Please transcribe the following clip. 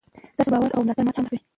ستاسو باور او ملاتړ ماته الهام راکوي.